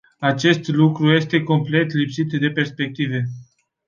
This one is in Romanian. Acest lucru este complet lipsit de perspective.